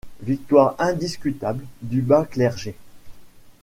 Victoire indiscutable du bas-clergé.